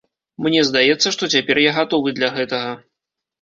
Мне здаецца, што цяпер я гатовы для гэтага.